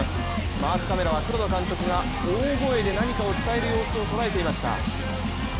マークカメラは黒田監督が大声で何かを伝える様子を捉えていました。